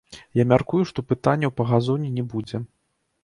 Я мяркую, што пытанняў па газоне не будзе.